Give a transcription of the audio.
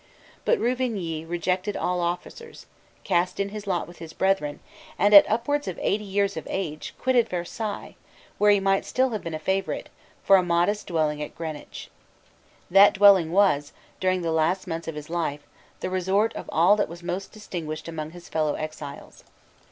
But Ruvigny rejected all offers, cast in his lot with his brethren, and, at upwards of eighty years of age, quitted Versailles, where he might still have been a favourite, for a modest dwelling at Greenwich. That dwelling was, during the last months of his life, the resort of all that was most distinguished among his fellow exiles.